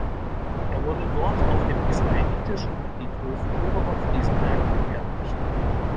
Er wurde dort auf dem Israelitischen Friedhof Oberer Friesenberg beerdigt.